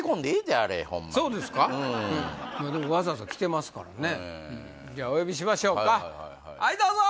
まあでもわざわざ来てますからねじゃお呼びしましょうかはいどうぞ！